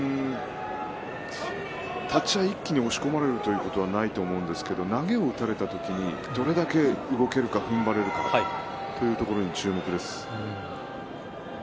立ち合い一気に押し込まれるということはないと思うんですけど投げを打たれた時にどれだけ動けるかふんばれるかというところに注目ですね。